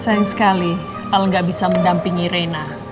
sayang sekali al gak bisa mendampingi reina